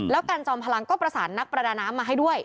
แล้วกันจอมพลังก็ประสานนักประดาน้ำมาให้ด้วย